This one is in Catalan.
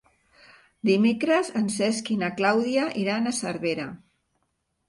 Dimecres en Cesc i na Clàudia iran a Cervera.